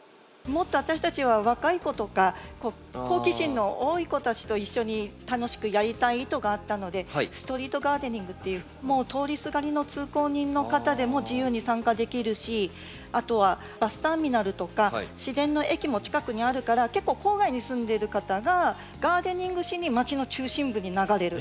もっと私たちは若い子とか好奇心の多い子たちと一緒に楽しくやりたい意図があったので「ストリート・ガーデニング」っていうもう通りすがりの通行人の方でも自由に参加できるしあとはバスターミナルとか市電の駅も近くにあるから結構郊外に住んでる方がガーデニングしにまちの中心部に流れる。